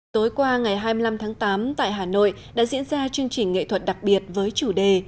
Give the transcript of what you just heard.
tối qua ngày hai mươi năm tháng tám tại hà nội đã diễn ra chương trình nghệ thuật đặc biệt với chủ đề